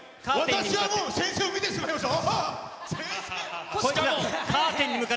私はもう先生を見てしまいました。